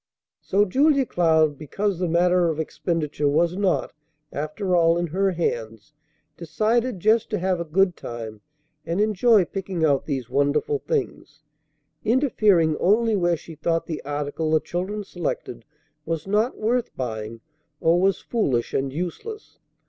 So Julia Cloud, because the matter of expenditure was not, after all, in her hands, decided just to have a good time and enjoy picking out these wonderful things, interfering only where she thought the article the children selected was not worth buying, or was foolish and useless.